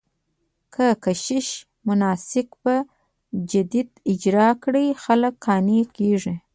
که کشیش مناسک په جديت اجرا کړي، خلک قانع کېږي.